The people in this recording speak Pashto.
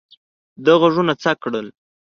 ده غوږونه څک کړل.